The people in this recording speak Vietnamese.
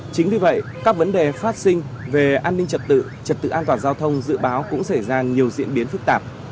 chính vì vậy các vấn đề phát sinh về an ninh trật tự trật tự an toàn giao thông dự báo cũng xảy ra nhiều diễn biến phức tạp